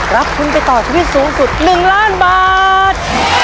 รับทุนไปต่อชีวิตสูงสุด๑ล้านบาท